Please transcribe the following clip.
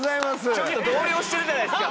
ちょっと動揺してるじゃないですか。